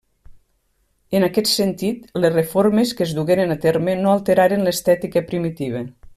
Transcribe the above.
En aquest sentit, les reformes que es dugueren a terme no alteraren l'estètica primitiva.